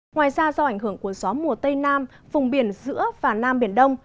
ngoài ra do ảnh hưởng của gió mùa tây nam vùng biển giữa và nam biển đông